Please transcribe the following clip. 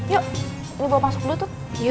yuk lu bawa masuk dulu